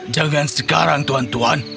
jangan sekarang tuan tuan